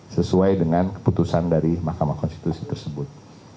sesuai dengan keputusan dari mahkamah konstitusi tersebut